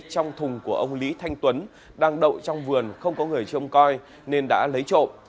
trong thùng của ông lý thanh tuấn đang đậu trong vườn không có người trông coi nên đã lấy trộm